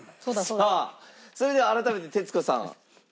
さあそれでは改めて徹子さん